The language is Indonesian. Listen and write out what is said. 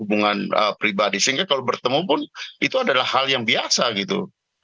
hubungan pribadi sehingga kalau bertemu pun itu adalah hal yang biasa gitu